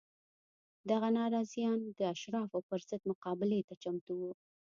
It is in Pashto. دغه ناراضیان د اشرافو پر ضد مقابلې ته چمتو وو